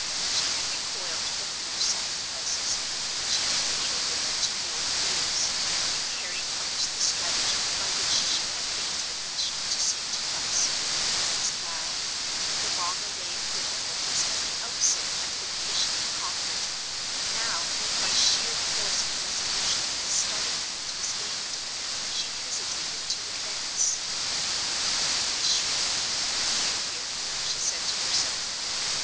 She had recoiled from no sacrifices, she had yielded to no fears, in carrying out the stratagem by which she had gained admission to St. Crux; and now, when the long array of difficulties at the outset had been patiently conquered, now, when by sheer force of resolution the starting point was gained, she hesitated to advance. "I shrank from nothing to get here," she said to herself.